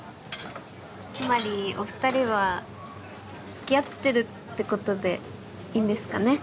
つまりお二人はつきあってるってことでいいんですかね？